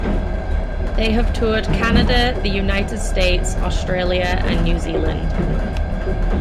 They have toured Canada, the United States, Australia and New Zealand.